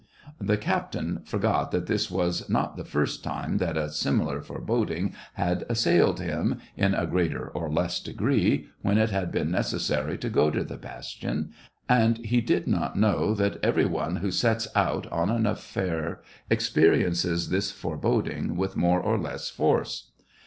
The captain forgot that this. was not the first time that a similar foreboding had assailed him, in a greater or less degree, when it had been necessary to go to the bastion, and he did not SEVASTOPOL IN MAY. 55 know that every one who sets out on an affair experiences this foreboding with more or less force.